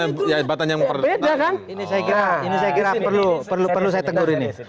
ini saya kira perlu saya tegur ini